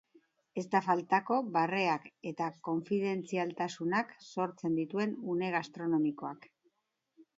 Ez da faltako barreak eta konfidentzialtasunak sortzen dituen une gastronomikoak.